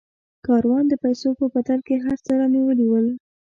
کاروان د پیسو په بدل کې هر څه رانیولي ول.